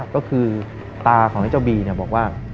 ก็คือตาของเจ้าบีเนี่ยบอกว่า